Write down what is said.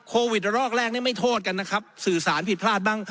โควิดรอกแรกนี่ไม่โทษกันนะครับสื่อสารผิดพลาดบ้าง